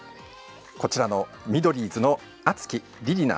こちらのミドリーズのあつき、りりな